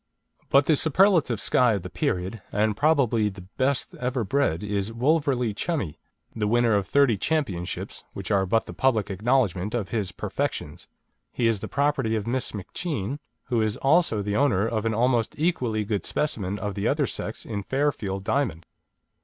But the superlative Skye of the period, and probably the best ever bred, is Wolverley Chummie, the winner of thirty championships which are but the public acknowledgment of his perfections. He is the property of Miss McCheane, who is also the owner of an almost equally good specimen of the other sex in Fairfield Diamond.